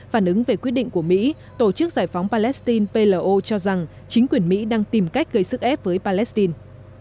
phản ứng về quyết định của mỹ tổ chức giải phóng palestine plo cho rằng chính quyền mỹ đang tìm cách gây sức ép với palestine